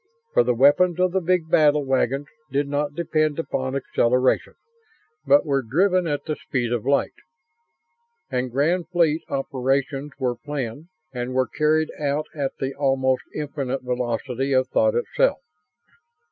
For the weapons of the big battle wagons did not depend upon acceleration, but were driven at the speed of light; and Grand Fleet Operations were planned and were carried out at the almost infinite velocity of thought itself.